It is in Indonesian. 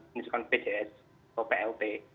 menunjukkan pjs atau plp